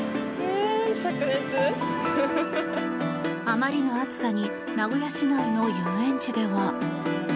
あまりの暑さに名古屋市内の遊園地では。